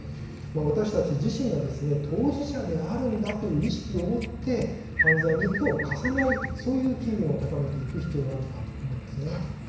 私たち自身が当事者であるんだという意識を持って、犯罪に手を貸さない、そういう機運を高めていく必要があるんだと思いますね。